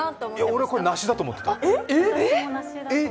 俺、これ梨だと思ってた。